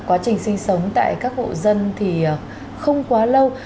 quá trình sinh sống tại các hộ dân thì không quá lâu